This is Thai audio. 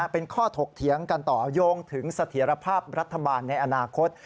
เป็นข้อถกเถียงกันต่อโยงถึงเสถียรภาพรัฐบาลในอนาคต